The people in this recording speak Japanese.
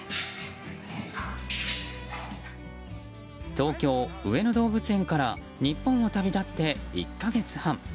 東京・上野動物園から日本を旅立って１か月半。